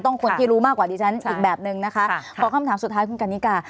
คนที่รู้มากกว่าดิฉันอีกแบบนึงนะคะพอคำถามสุดท้ายคุณกันนิกา